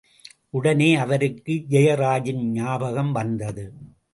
உடனே அவருக்கு ஜெயராஜின் ஞாபகம் வந்தது.